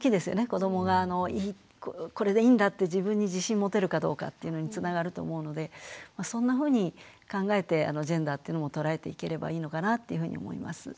子どもがこれでいいんだって自分に自信持てるかどうかっていうのにつながると思うのでそんなふうに考えてジェンダーっていうのも捉えていければいいのかなっていうふうに思います。